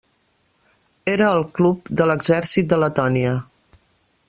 Era el club de l'exèrcit de Letònia.